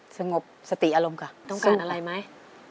สงบสติอารมณ์ก่อนต้องการอะไรไหม